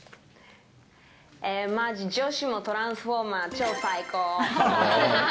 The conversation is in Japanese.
まじ女子もトランスフォーマー超最高。